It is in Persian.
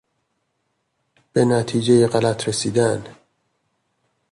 به نتیجهی غلط رسیدن